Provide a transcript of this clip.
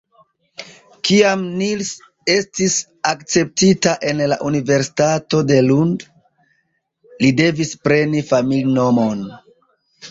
Kiam Nils estis akceptita en la Universitato de Lund, li devis preni familinomon.